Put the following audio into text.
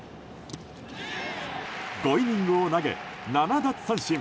５イニングを投げ、７奪三振。